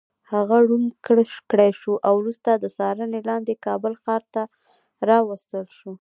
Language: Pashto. هغه ړوند کړی شو او وروسته د څارنې لاندې کابل ښار ته راوستل شو.